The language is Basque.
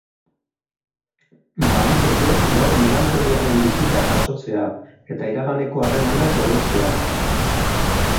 Baliteke gaur melankoliaren bisita jasotzea, eta iraganeko harremanak oroitzea.